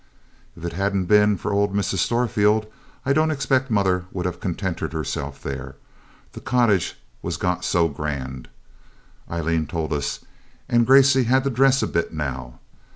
If it hadn't been for old Mrs. Storefield I don't expect mother would have contented herself there the cottage was got so grand, Aileen told us, and Gracey had to dress a bit now.